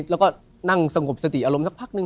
แล้วก็นั่งสงบสติอารมณ์สักพักนึง